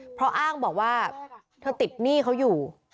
เพราะอ้างบอกว่าเธอติดหนี้เขาอยู่